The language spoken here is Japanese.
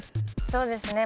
そうですね。